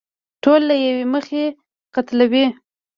ټول له يوې مخې قتلوي.